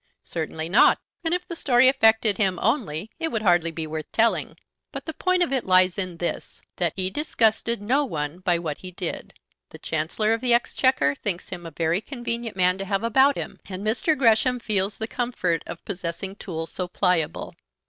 "Certainly not; and if the story affected him only it would hardly be worth telling. But the point of it lies in this; that he disgusted no one by what he did. The Chancellor of the Exchequer thinks him a very convenient man to have about him, and Mr. Gresham feels the comfort of possessing tools so pliable."